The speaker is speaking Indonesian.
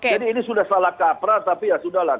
jadi ini sudah salah kapra tapi ya sudah lah